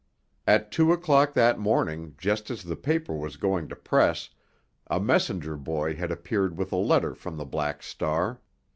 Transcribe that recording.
At two o'clock that morning, just as the paper was going to press, a messenger boy had appeared with a letter from the Black Star.